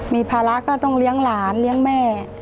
มีภาระก็ต้องเลี้ยงหลานเลี้ยงแม่